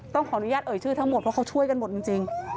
ขออนุญาตเอ่ยชื่อทั้งหมดเพราะเขาช่วยกันหมดจริง